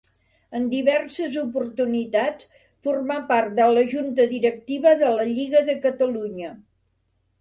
En diverses oportunitats formà part de la junta directiva de la Lliga de Catalunya.